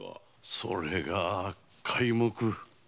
それが皆目。